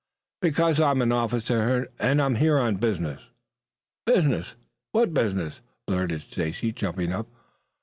"Because I'm an officer, and I'm here on business." "Business! What business?" blurted Stacy, jumping up.